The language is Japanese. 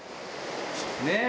ねえ。